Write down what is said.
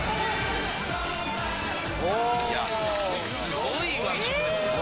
すごい！